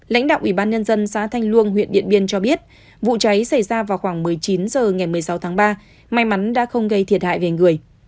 lãnh đạo ubnd xã thanh luông huyện điện biên cho biết vụ cháy xảy ra vào khoảng một mươi chín h ngày một mươi sáu tháng ba may mắn đã không gây thiệt hại về người